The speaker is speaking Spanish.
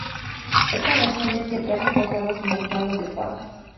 Esta versión vestía trajes basados en el palo de espadas.